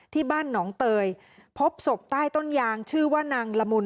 ที่บ้านหนองเตยพบศพใต้ต้นยางชื่อว่านางละมุน